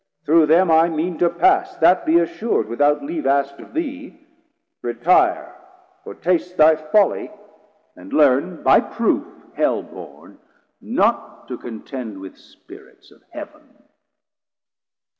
through them I mean to pass, That be assur'd, without leave askt of thee: Retire, or taste thy folly, and learn by proof, Hell born, not to contend with Spirits of Heav'n.